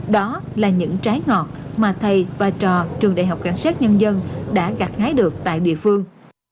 đó là những trái ngọt mà thầy và trò trường đại học cảnh sát nhân dân đã gạt hái được tại địa phương